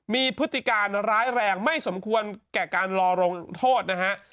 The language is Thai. มีพฤติการร้ายแรงไม่สมควรแก่การรอลงโทษนะฮะ